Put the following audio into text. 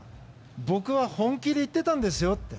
僕は本気でいってたんですよって。